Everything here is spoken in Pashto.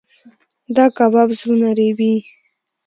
دا کباب زړونه رېبي.